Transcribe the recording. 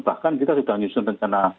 bahkan kita sudah menyusun rencana